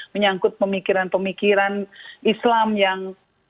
menyangkut pemikiran pemikiran islam yang